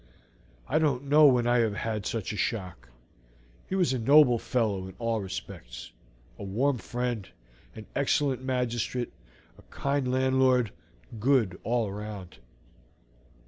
I don't know when I have had such a shock; he was a noble fellow in all respects, a warm friend, an excellent magistrate, a kind landlord, good all round.